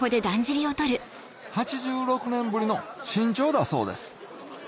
８６年ぶりの新調だそうです